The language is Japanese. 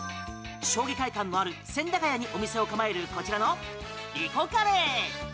将棋会館のある千駄ヶ谷にお店を構えるこちらのｒｉｃｏｃｕｒｒｙ。